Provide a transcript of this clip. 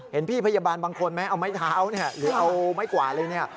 เห็นพี่พยาบาลบางคนไหมเอาไม้เท้าหรือเอาไม้กว่าเลย